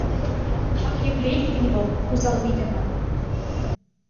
Ак епле иккен вӑл, усал витӗмӗ.